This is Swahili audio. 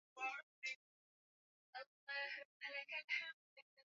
mishipa ya damu ambayo inaweza ikaziba halafu ukapata kitu kinaitwa